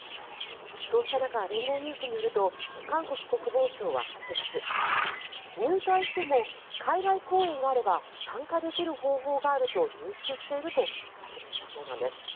そうした中連合ニュースによると韓国国防相は８月入隊しても海外公演があれば参加できる方法があると認識していると発言したそうなんです。